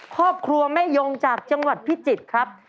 ครอบครัวแม่ยงจากจังหวัดพิจิตรครับ